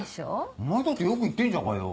お前だってよく言ってんじゃんかよ。